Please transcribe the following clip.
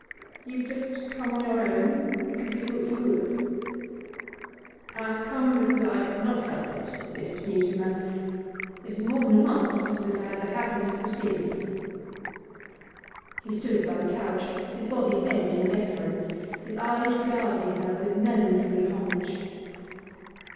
'You've just come on your own because you thought you would?' 'I have come because I could not help it, Miss Mutimer. It is more than a month since I had the happiness of seeing you.' He stood by the couch, his body bent in deference, his eyes regarding her with melancholy homage.